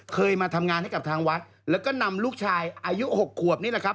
เคยมาทำงานให้กับทางวัดแล้วก็นำลูกชายอายุ๖ขวบนี่แหละครับ